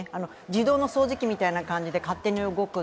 自動の掃除機みたいな感じで勝手に動く。